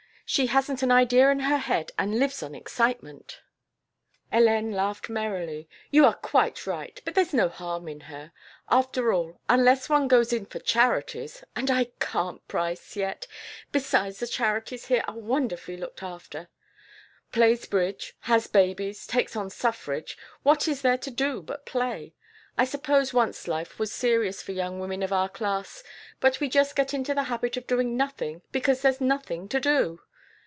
She hasn't an idea in her head and lives on excitement " Hélène laughed merrily. "You are quite right, but there's no harm in her. After all, unless one goes in for charities (and I can't, Price, yet; besides the charities here are wonderfully looked after), plays bridge, has babies, takes on suffrage what is there to do but play? I suppose once life was serious for young women of our class; but we just get into the habit of doing nothing because there's nothing to do.